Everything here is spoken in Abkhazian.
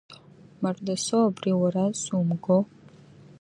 Мардасоу, абри уара сумго?